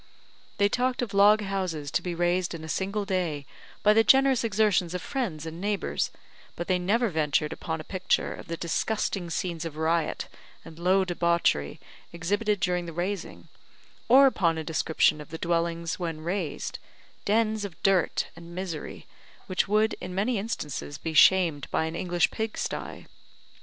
They talked of log houses to be raised in a single day, by the generous exertions of friends and neighbours, but they never ventured upon a picture of the disgusting scenes of riot and low debauchery exhibited during the raising, or upon a description of the dwellings when raised dens of dirt and misery, which would, in many instances, be shamed by an English pig sty.